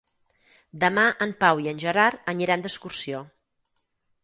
Demà en Pau i en Gerard aniran d'excursió.